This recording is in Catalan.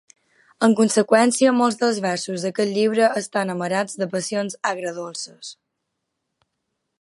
En conseqüència, molts dels versos d'aquest llibre estan amarats de passions agredolces.